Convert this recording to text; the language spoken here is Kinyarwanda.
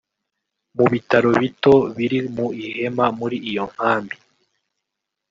Mu bitaro bito biri mu ihema muri iyo nkambi